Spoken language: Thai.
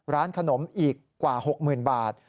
ร้านขนมอีกกว่า๖๐๐๐บาท